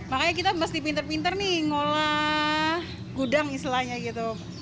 makanya kita mesti pinter pinter nih ngolah gudang istilahnya gitu